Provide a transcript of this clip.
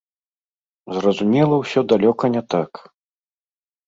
Зразумела ўсё далёка не так.